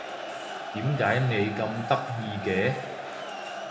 點解你咁得意嘅？